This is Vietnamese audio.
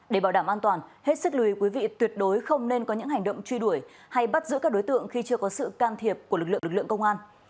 để bảo đảm an toàn hết sức lùi quý vị tuyệt đối không nên có những hành động truy đuổi hay bắt giữ các đối tượng khi chưa có sự can thiệp của lực lượng lực lượng công an